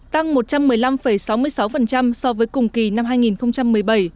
tăng một trăm một mươi năm sáu mươi sáu so với cùng kỳ năm hai nghìn một mươi bảy